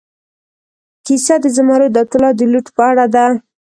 کیسه د زمرد او طلا د لوټ په اړه ده.